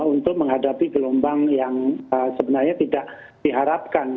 untuk menghadapi gelombang yang sebenarnya tidak diharapkan